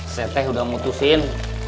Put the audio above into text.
seteh udah mutusin